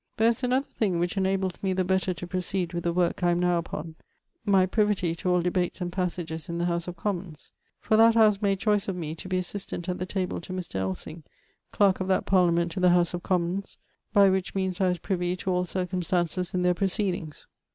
There is an other thing which inables me the better to proceed with the work I am now upon, my privity to all debates and passages in the house of Commons: for that house made choice of me to be assistant at the table to Mr. Ellsing, clark of that parlament to the house of Commons, by which means I was privey to all circumstances in there procedings.